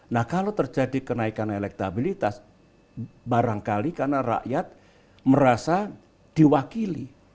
nah kalau terjadi kenaikan elektabilitas barangkali karena rakyat merasa diwakili